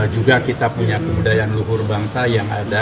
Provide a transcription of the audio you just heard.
juga kita punya kebudayaan luhur bangsa yang ada